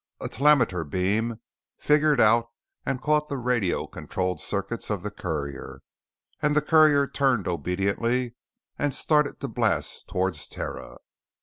A telemeter beam fingered out and caught the radio controlled circuits of the courier and the courier turned obediently and started to blast towards Terra.